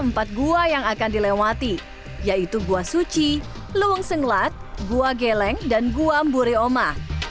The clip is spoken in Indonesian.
ada empat gua yang akan dilewati yaitu gua suci luweng senglat gua geleng dan gua mbureoma